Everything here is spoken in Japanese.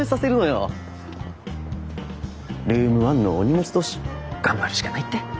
ルーム１のお荷物同士頑張るしかないって。